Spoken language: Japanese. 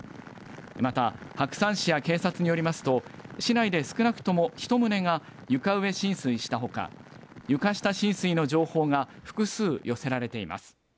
また白山市や警察によりますと市内で少なくとも１棟が床上浸水したほか床下浸水の情報が複数寄せられています。